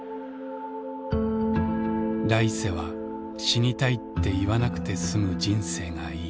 「来世は死にたいって言わなくて済む人生がいい」。